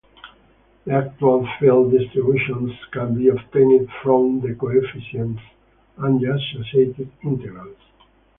The actual field distributions can be obtained from the coefficients and the associated integrals.